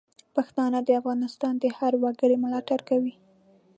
پښتانه د افغانستان د هر وګړي ملاتړ کوي.